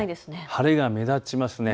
晴れが目立ちますね。